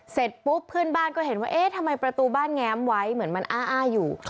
เสร็จปุ๊บเพื่อนบ้านก็เห็นว่าเอ๊ะทำไมประตูบ้านแง้มไว้เหมือนมันอ้าอยู่